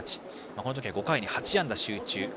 この時は５回に８安打集中。